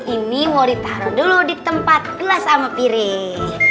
ini mau ditaruh dulu di tempat gelas sama piring